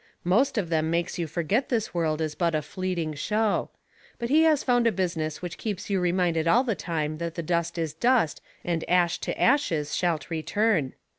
Most of them makes you forget this world is but a fleeting show. But he has found a business which keeps you reminded all the time that dust is dust and ash to ashes shalt return.